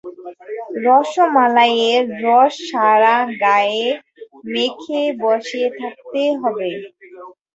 রসমালাইয়ের রস সারা গায়ে মেখে বসে থাকতে হবে।